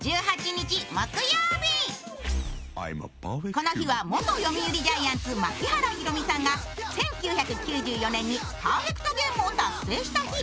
この日は元読売ジャイアンツ、槙原寛己さんが１９９４年にパーフェクトゲームを達成した日。